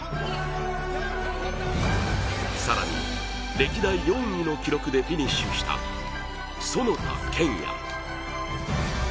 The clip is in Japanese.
更に、歴代４位の記録でフィニッシュした、其田健也。